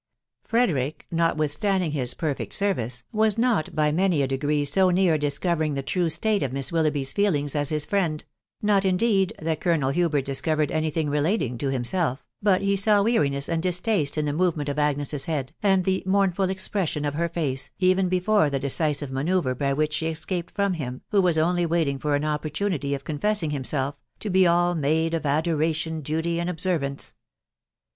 Frederick, notwithstanding his "perfect service," was not by many a degree so near discovering the true state of Miss Willoughby's feelings as his friend : not, indeed, that Colonel Hubert discovered any thing relating to himself, but he saw weariness and distaste, in the movement of Agnes' s head, and the mournful expression of her face, even before the decisive manoeuvre by which she escaped from him, who was only waiting for an opportunity of con fessing himself " to be all made of adoration, duty, and ob servance."